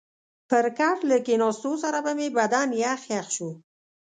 پر کټ له کښېنستو سره به مې بدن یخ یخ شو.